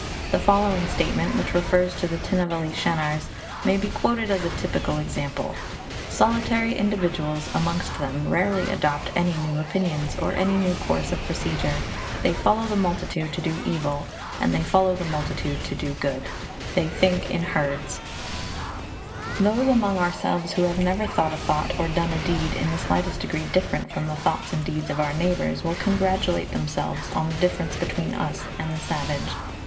The following statement, which refers to the Tinnevelly Shanars, may be quoted as a typical example: 'Solitary individuals amongst them rarely adopt any new opinions, or any new course of procedure. They follow the multitude to do evil, and they follow the multitude to do good. They think in herds.'" "The Origin and Development of the Moral Ideas," 2d edition, Vol. I, p. 119. Those among ourselves who have never thought a thought or done a deed in the slightest degree different from the thoughts and deeds of our neighbors will congratulate themselves on the difference between us and the savage.